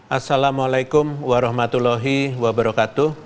assalamu'alaikum warahmatullahi wabarakatuh